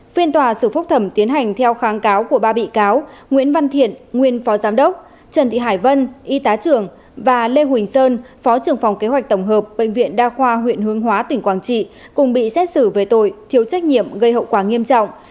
phiên tòa xử phúc thẩm tiến hành theo kháng cáo của ba bị cáo nguyễn văn thiện nguyên phó giám đốc trần thị hải vân y tá trưởng và lê huỳnh sơn phó trưởng phòng kế hoạch tổng hợp bệnh viện đa khoa huyện hương hóa tỉnh quảng trị cùng bị xét xử về tội thiếu trách nhiệm gây hậu quả nghiêm trọng